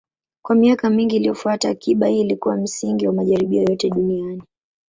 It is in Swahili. Kwa miaka mingi iliyofuata, akiba hii ilikuwa msingi wa majaribio yote duniani.